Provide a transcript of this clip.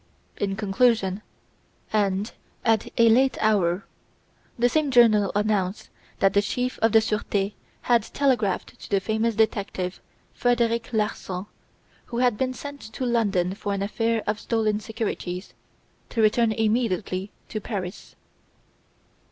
In conclusion, and at a late hour, the same journal announced that the Chief of the Surete had telegraphed to the famous detective, Frederic Larsan, who had been sent to London for an affair of stolen securities, to return immediately to Paris.